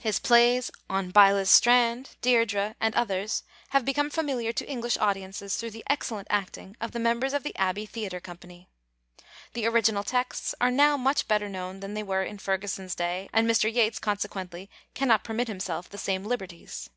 His plays On Baile's Strand, Deirdre, and others, have become familiar to English audiences through the excellent acting of the members of the Abbey Theatre Company. The original texts are now much better known than they were in Ferguson's day, and Mr. Yeats consequently cannot permit himself the same liberties.